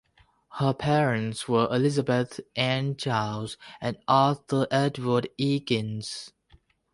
Her parents were Elizabeth Ann Childs and Arthur Edward Ekins.